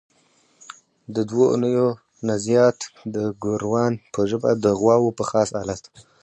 د دوو اونیو نه زیات د ګوروان په ژبه د غواوو په خاص الت.